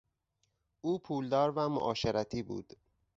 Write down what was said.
او پولدار و معاشرتی بود.